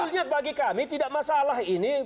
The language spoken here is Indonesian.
sebetulnya bagi kami tidak masalah ini